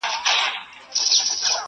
پېړۍ وړاندي له وطن د جادوګرو!!